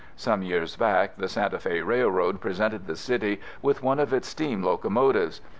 Some years back the Santa Fe Railroad presented the City with one of its steam locomotives.